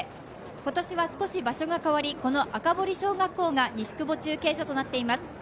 今年は少し場所が変わり、赤堀小学校が西久保中継所となっています。